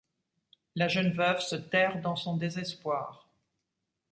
La jeune veuve se terre dans son désespoir.